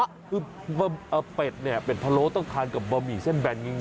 คือเป็ดเนี่ยเป็ดพะโล้ต้องทานกับบะหมี่เส้นแบนจริง